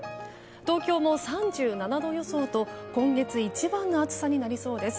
東京も３７度予想と今月一番の暑さになりそうです。